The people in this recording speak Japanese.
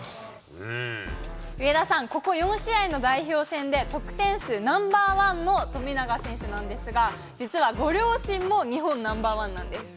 上田さん、ここ４試合の代表戦で、得点数ナンバー１の富永選手なんですが、実は、ご両親も日本ナンバー１なんです。